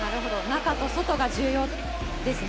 中と外が重要ですね。